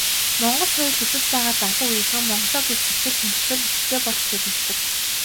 Монгол соёлд өсөж байгаа залуу үеийнхэн Монголоо гэх сэтгэл, хүндэтгэл ихтэй болж төлөвшдөг.